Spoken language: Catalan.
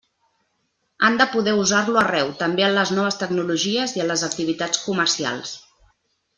Han de poder usar-lo arreu, també en les noves tecnologies i en les activitats comercials.